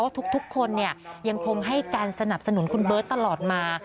ทุกคนยังคงให้การสนับสนุนคุณเบิร์ตตลอดมา